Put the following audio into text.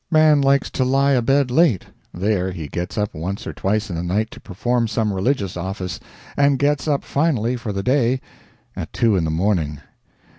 Man likes to lie abed late there he gets up once or twice in the night to perform some religious office, and gets up finally for the day at two in the morning.